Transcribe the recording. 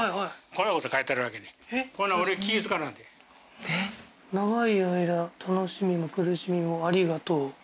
これ「永い間楽しみも苦しみも有り難とう」